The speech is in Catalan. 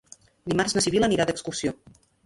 Dimarts na Sibil·la anirà d'excursió.